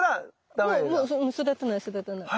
もう育たない育たない。